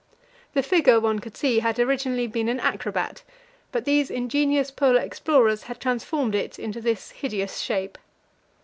The figure, one could see, had originally been an acrobat, but these ingenious Polar explorers had transformed it into this hideous shape.